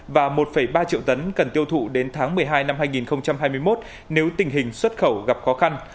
và một ba triệu tấn cần tiêu thụ đến tháng một mươi hai năm hai nghìn hai mươi một nếu tình hình xuất khẩu gặp khó khăn